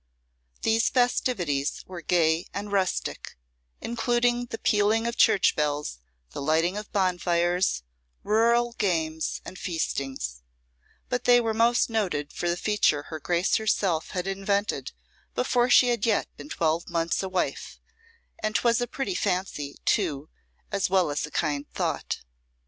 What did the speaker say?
These festivities were gay and rustic, including the pealing of church bells, the lighting of bonfires, rural games, and feastings; but they were most noted for a feature her Grace herself had invented before she had yet been twelve months a wife, and 'twas a pretty fancy, too, as well as a kind thought.